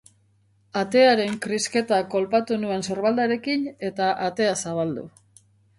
Atearen krisketa kolpatu nuen sorbaldarekin eta atea zabaldu.